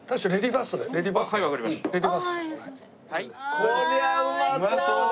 こりゃうまそうだ！